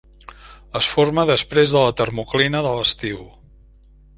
Es forma després de la termoclina de l'estiu.